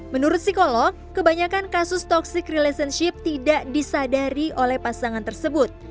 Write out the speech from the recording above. menurut psikolog kebanyakan kasus toxic relationship tidak disadari oleh pasangan tersebut